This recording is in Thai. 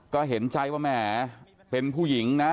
ก็เห็นใจว่าแหมเป็นผู้หญิงนะ